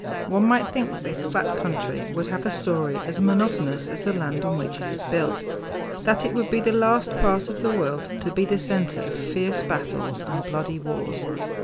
One might think that this flat country would have a story as monotonous as the land on which it is built, that it would be the last part of the world to be the center of fierce battles and bloody wars.